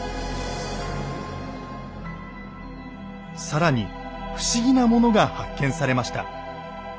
更に不思議なものが発見されました。